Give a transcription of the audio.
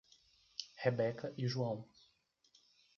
Rebeca e João